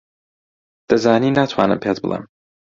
دەزانی ناتوانم پێت بڵێم.